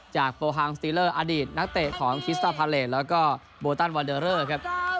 โฟฮังสติเลอร์อดีตนักเตะของคิสต้าพาเลสแล้วก็โบตันวาเดอร์เลอร์ครับ